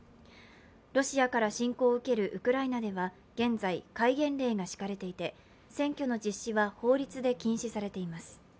ロシアから侵攻を受けるウクライナでは現在、戒厳令が敷かれていて、選挙の実施は法律で禁止されています。